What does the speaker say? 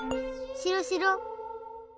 しろしろ。